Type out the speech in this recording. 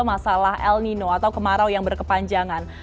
masalah el nino atau kemarau yang berkepanjangan